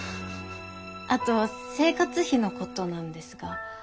あと生活費のことなんですが。